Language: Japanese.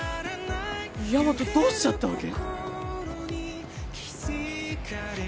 ヤマトどうしちゃったわけ？